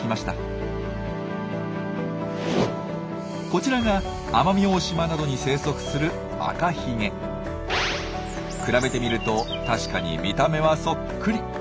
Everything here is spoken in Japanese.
こちらが奄美大島などに生息する比べてみると確かに見た目はそっくり。